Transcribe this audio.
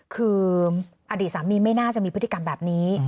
คืออดีตสามีไม่น่าจะมีพฤติกรรมแบบนี้